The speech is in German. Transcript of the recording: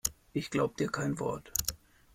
Ich glaub dir kein Wort!